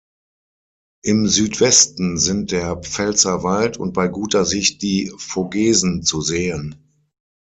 Im Südwesten sind der Pfälzerwald und bei guter Sicht die Vogesen zu sehen.